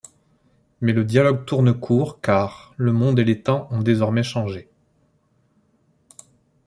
Mais le dialogue tourne court, car, le monde et les temps ont désormais changé.